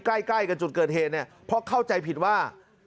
ใกล้กับจุดเกิดเหตุเนี่ยเพราะเข้าใจผิดว่า